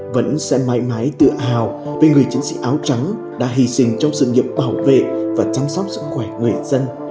vẫn sẽ mãi mãi tự hào về người chiến sĩ áo trắng đã hy sinh trong sự nghiệp bảo vệ và chăm sóc sức khỏe người dân